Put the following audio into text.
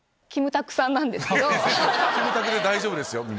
「キムタク」で大丈夫ですよ。